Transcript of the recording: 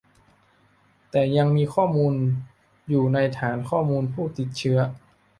แต่ยังมีข้อมูลอยู่ในฐานข้อมูลผู้ติดเชื้อ